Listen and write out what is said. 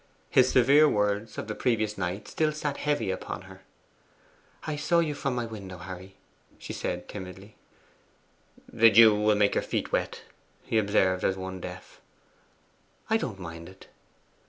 His severe words of the previous night still sat heavy upon her. 'I saw you from my window, Harry,' she said timidly. 'The dew will make your feet wet,' he observed, as one deaf. 'I don't mind it.